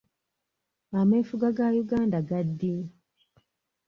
Ameefuga ga Uganda ga ddi?